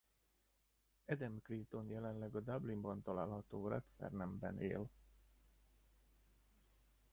Adam Clayton jelenleg a Dublinban található Rathfarnham-ban él.